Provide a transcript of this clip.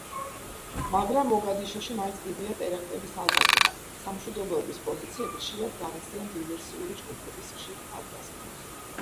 მაგრამ მოგადიშოში მაინც დიდია ტერაქტების ალბათობა, სამშვიდობოების პოზიციები ხშირად განიცდიან დივერსიული ჯგუფების ხშირ თავდასხმებს.